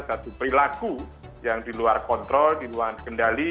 satu perilaku yang diluar kontrol diluar kendali